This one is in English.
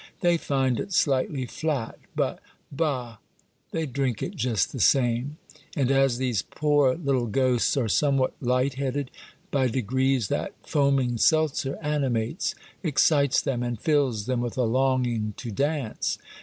They find it slightly flat, but — bah! they drink it just the same, and as these poor little ghosts are somewhat light headed, by degrees that foaming seltzer animates, excites them, and fills them with a longing to dance.